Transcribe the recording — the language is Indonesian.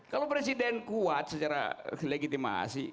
kalau presiden kuat secara legitimasi